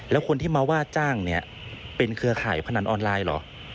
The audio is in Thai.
แล้วคนที่มาว่าจ้างเนี่ยเป็นเครือข่ายพนันออนไลน์เหรอ